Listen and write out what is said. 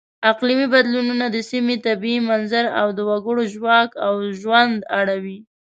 اقلیمي بدلونونه د سیمې طبیعي منظر او د وګړو ژواک او ژوند اړوي.